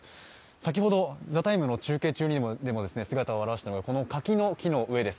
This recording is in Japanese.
先ほど「ＴＨＥＴＩＭＥ，」の中継中にも姿を現したのが、この柿の木の上です